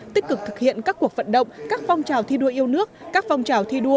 tích cực thực hiện các cuộc vận động các phong trào thi đua yêu nước các phong trào thi đua